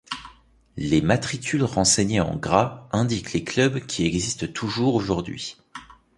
Les matricules renseignés en gras indiquent les clubs qui existent toujours aujourd'hui.